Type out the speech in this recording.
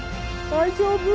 大丈夫？